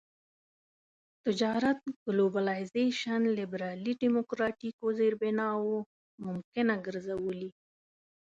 تجارت ګلوبلایزېشن لېبرالي ډيموکراټيکو زېربناوو ممکنه ګرځولي.